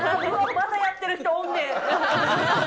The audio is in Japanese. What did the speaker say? まだやってる人おんねん。